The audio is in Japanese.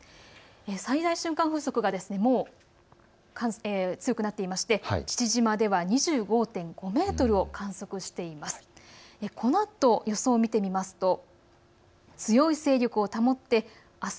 最大瞬間風速も強くなっていまして父島では２５．５メートルを観測しています。